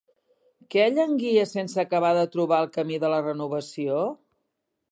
Què llanguia sense acabar de trobar el camí de la renovació?